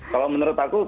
kalau menurut aku